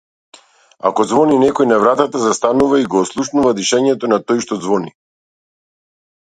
Ако ѕвони некој на врата застанува и го ослушнува дишењето на тој што ѕвони.